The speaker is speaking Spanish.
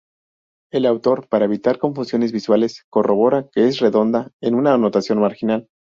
El autor, para evitar confusiones visuales, corrobora que es redonda en una anotación marginal.